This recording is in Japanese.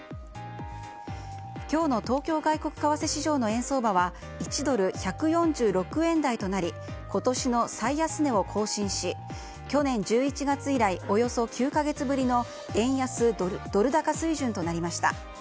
今日の東京外国為替市場の円相場は１ドル＝１４６円台となり今年の最安値を更新し去年１１月以来およそ９か月ぶりの円安ドル高水準となりました。